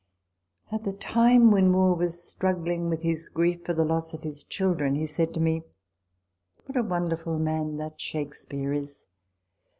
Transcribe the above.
At the time when Moore was struggling with his grief for the loss of his children, he said to me, " What a wonderful man that Shakespeare is